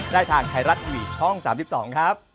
ได้ทางไทยรัฐทีวีช่อง๓๒ครับ